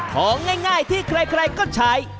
ของง่ายที่ใครก็ใช้